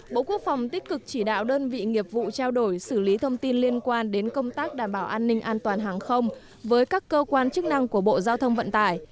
bộ quốc phòng tích cực chỉ đạo đơn vị nghiệp vụ trao đổi xử lý thông tin liên quan đến công tác đảm bảo an ninh an toàn hàng không với các cơ quan chức năng của bộ giao thông vận tải